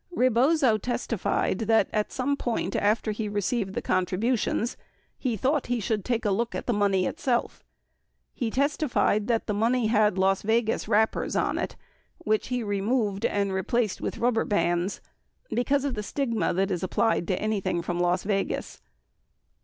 1 ® Rebozo testified that at some point after he received the contribu tions, he thought he should take a look at the money itself. He testified that the money had "Las Vegas wrappers" on it, which he removed and replaced with rubber bands 64 because of "the stigma that is ap plied to anything from Las Vegas."